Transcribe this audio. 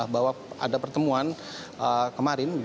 bahwa ada pertemuan kemarin